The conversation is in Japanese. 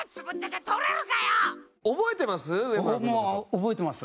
覚えてます。